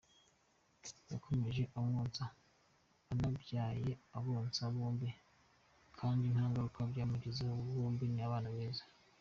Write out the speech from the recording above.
Yakomeje kumwonsa, anabyaye abonsa bombi kandi nta ngaruka byamugizeho, ubu bombi ni abana beza”.